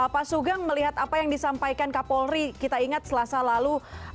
pak sugeng melihat apa yang disampaikan kapolri kita ingat selasa lalu